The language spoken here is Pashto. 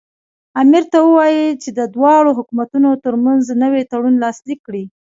امیر ته ووایي چې د دواړو حکومتونو ترمنځ نوی تړون لاسلیک کړي.